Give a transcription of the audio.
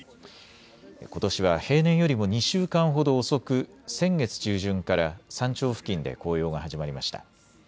ことしは平年よりも２週間ほど遅く先月中旬から山頂付近で紅葉が始まりました。